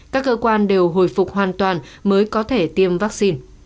các cơ quan đều hồi phục hoàn toàn mới có thể tiêm vaccine